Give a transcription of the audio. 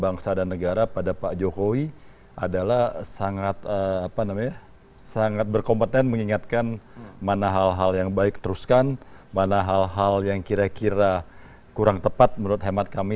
bangsa dan negara pada pak jokowi adalah sangat berkompeten mengingatkan mana hal hal yang baik teruskan mana hal hal yang kira kira kurang tepat menurut hemat kami